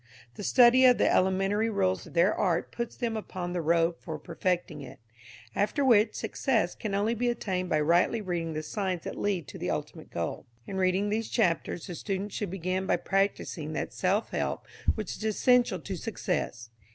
The study of the elementary rules of their art puts them upon the road for perfecting it, after which success can only be attained by rightly reading the signs that lead to the ultimate goal. In reading these chapters the student should begin by practising that self help which is essential to success.